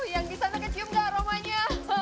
yang di sana kecium gak aromanya